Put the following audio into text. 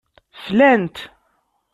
Flan-t.